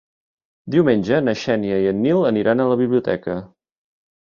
Diumenge na Xènia i en Nil aniran a la biblioteca.